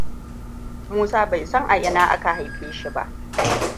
Musa bai san a ina aka haife shi ba.